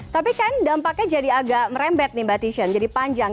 tapi kan dampaknya jadi agak merembet nih mbak tishan jadi panjang